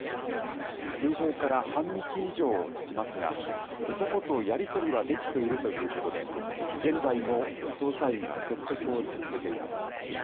通報から半日以上たちますが、男とやり取りはできているということで、現在も捜査員が説得を続けています。